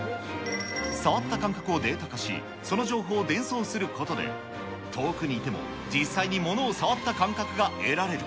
触った感覚をデータ化し、その情報を伝送することで、遠くにいても、実際に物を触った感覚が得られる。